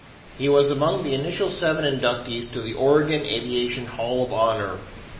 He was among the initial seven inductees to the Oregon Aviation Hall of Honor.